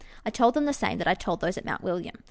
I told them the same that I told those at Mount William.